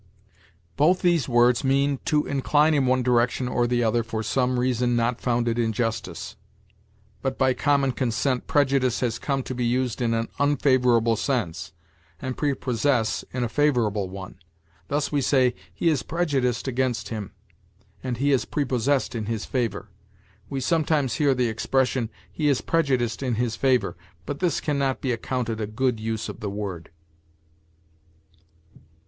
Both these words mean, to incline in one direction or the other for some reason not founded in justice; but by common consent prejudice has come to be used in an unfavorable sense, and prepossess in a favorable one. Thus, we say, "He is prejudiced against him," and "He is prepossessed in his favor." We sometimes hear the expression, "He is prejudiced in his favor," but this can not be accounted a good use of the word.